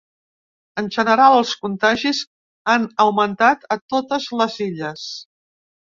En general, els contagis han augmentat a totes les illes.